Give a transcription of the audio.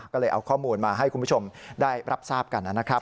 ก็เลยเอาข้อมูลมาให้คุณผู้ชมได้รับทราบกันนะครับ